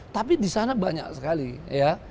tapi disana banyak sekali ya